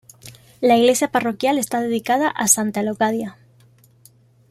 La iglesia parroquial está dedicada a santa Leocadia.